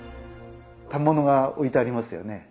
反物が置いてありますよね。